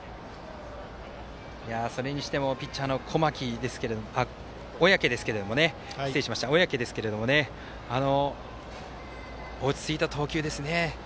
それにしてもピッチャーの小宅ですけども落ち着いた投球ですね。